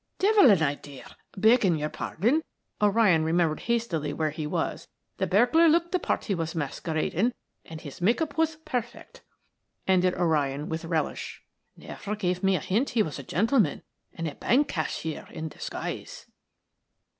"Devil an idea, begging your pardon" O'Ryan remembered hastily where he was. "The burglar looked the part he was masquerading, and his make up was perfect," ended O'Ryan with relish. "Never gave me a hint he was a gentleman and a bank cashier in disguise."